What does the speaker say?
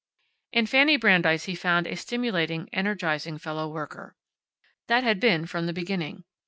In Fanny Brandeis he had found a stimulating, energizing fellow worker. That had been from the beginning.